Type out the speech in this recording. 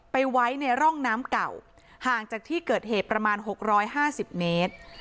ไปไว้ในร่องน้ำเก่าห่างจากที่เกิดเหตุประมาณหกร้อยห้าสิบเมตร